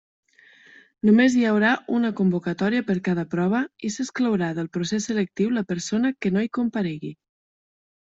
Només hi haurà una convocatòria per cada prova i s'exclourà del procés selectiu la persona que no hi comparegui.